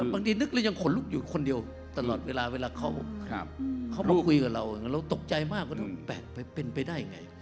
บางทีนึกแล้วยังขนลุกอยู่คนเดียวตลอดเวลาเวลาเขามาคุยกับเราเราตกใจมากว่าดูแปลกเป็นไปได้ไง